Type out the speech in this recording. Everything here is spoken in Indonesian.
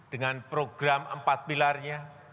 dengan program empat pilarnya